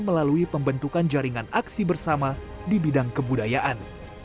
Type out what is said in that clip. melalui pembentukan jaringan aksi bersama di bidang kebudayaan